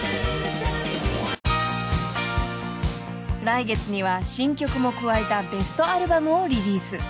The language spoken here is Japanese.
［来月には新曲も加えたベストアルバムをリリース］